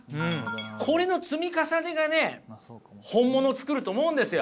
これの積み重ねがね本物を作ると思うんですよ。